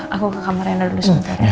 aku ke kamar yang dulu sebentar